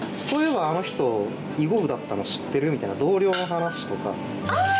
「そういえばあの人囲碁部だったの知ってる？」みたいな同僚の話とか。